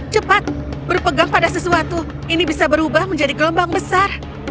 cepat berpegang pada sesuatu ini bisa berubah menjadi gelombang besar